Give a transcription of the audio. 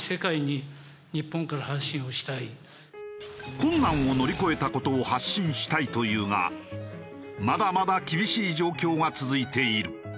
困難を乗り越えた事を発信したいというがまだまだ厳しい状況が続いている。